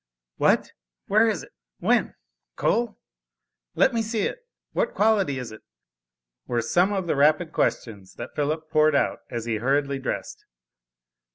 "What! Where is it? When? Coal? Let me see it. What quality is it?" were some of the rapid questions that Philip poured out as he hurriedly dressed.